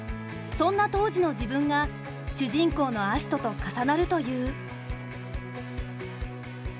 そんな当時の自分が主人公の葦人と重なるという。